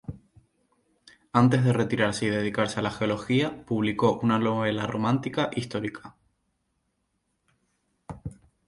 Antes de retirarse y dedicarse a la geología, publicó una novela romántica histórica.